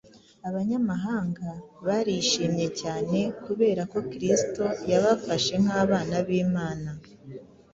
Abanyamahanga barishimye cyane kubera ko Kristo yabafashe nk’abana b’Imana